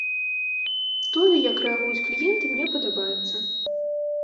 Тое, як рэагуюць кліенты, мне падабаецца.